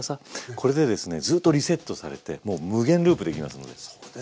これでですねずっとリセットされてもう無限ループできますので。